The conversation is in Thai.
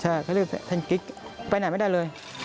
ใช่เขาเรียกแทนกิ๊กไปไหนไม่ได้เลย